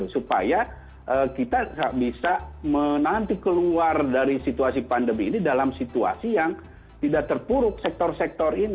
supaya kita bisa menanti keluar dari situasi pandemi ini dalam situasi yang tidak terpuruk sektor sektor ini